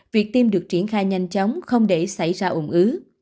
việc tiêm được triển khai nhanh chóng không để xảy ra ủng ứ